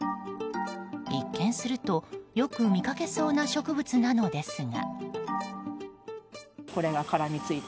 一見すると、よく見かけそうな植物なのですが。